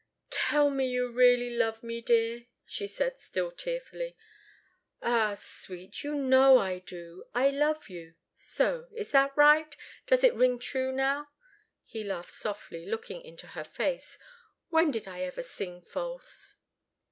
"Tell me you really love me, dear," she said, still tearfully. "Ah, sweet! You know I do I love you so! Is that right? Doesn't it ring true now?" He laughed softly, looking into her face. "When did I ever sing false?"